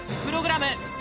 プログラム